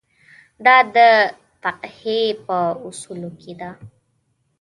دا د فقهې په اصولو کې ده.